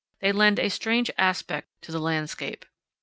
49 lend a strange aspect to the landscape.